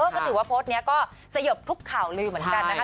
เลยถือว่าโพสต์เนี่ยก็ซะอย่มดทุกข่าวลืมเหมือนกันนะคะ